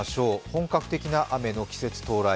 本格的な雨の季節到来。